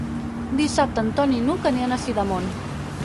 Dissabte en Ton i n'Hug aniran a Sidamon.